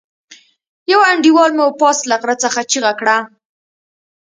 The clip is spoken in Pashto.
يوه انډيوال مو پاس له غره څخه چيغه کړه.